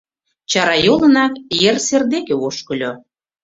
Чарайолынак ер сер деке ошкыльо.